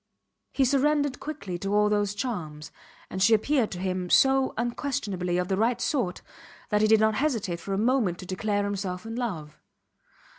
He surrendered quickly to all those charms, and she appeared to him so unquestionably of the right sort that he did not hesitate for a moment to declare himself in love.